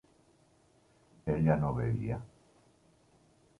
¿ella no bebía?